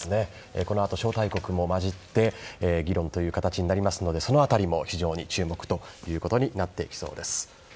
このあと招待国も交じって議論という形になりますのでその辺りも非常に注目となってきそうです。